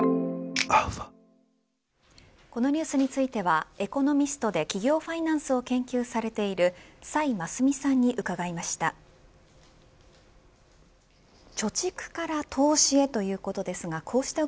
このニュースについてはエコノミストで企業ファイナンスを研究されている崔真淑さんに伺いました。